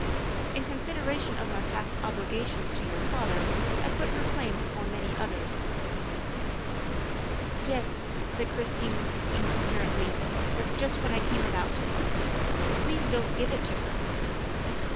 In con sideration of my past obligations to your father I put her claim before many others." " Yes," said Christine incoherently, " that's just what I came about. Please don 't give it to her.